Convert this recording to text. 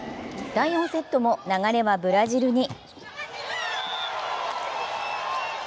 第４セットも流れはブラジルに。